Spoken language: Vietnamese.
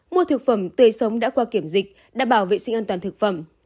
mua thực phẩm tươi sống đã qua kiểm dịch đảm bảo vệ sinh an toàn thực phẩm